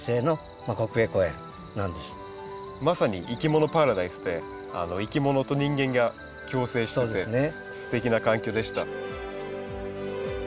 まさに「いきものパラダイス」でいきものと人間が共生しててすてきな環境でした。